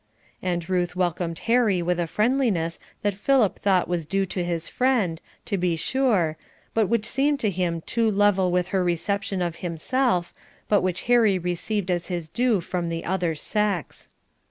And Ruth welcomed Harry with a friendliness that Philip thought was due to his friend, to be sure, but which seemed to him too level with her reception of himself, but which Harry received as his due from the other sex.